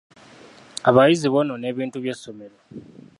Abayizi bonoona ebintu by'essomero.